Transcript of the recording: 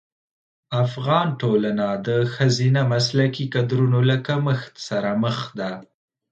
افغان ټولنه د ښځینه مسلکي کدرونو له کمښت سره مخ ده.